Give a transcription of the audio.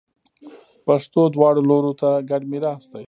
پښتو دواړو لورو ته ګډ میراث دی.